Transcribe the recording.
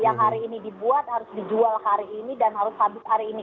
yang hari ini dibuat harus dijual hari ini dan harus habis hari ini